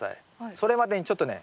それまでにちょっとね